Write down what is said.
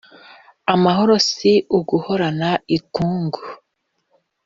Amahoro si uguhorana ikungu